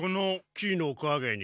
木のかげに。